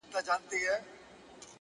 • که واړه دي که لویان پر تا سپرېږي ,